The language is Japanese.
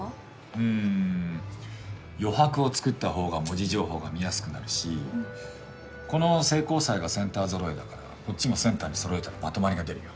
うん余白を作ったほうが文字情報が見やすくなるしこの聖光祭がセンター揃えだからこっちもセンターに揃えたらまとまりが出るよ。